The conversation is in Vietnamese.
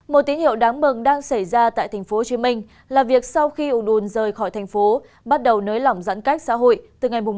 một tín hiệu đáng mừng đang xảy ra tại tp hcm là việc sau khi ủ đun rời khỏi thành phố bắt đầu nới lỏng giãn cách xã hội từ ngày một tháng một